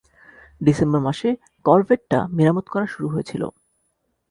December মাসে, করভেটটা মেরামত করা শুরু হয়েছিল।